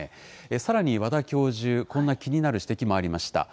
さらに和田教授、こんな気になる指摘もありました。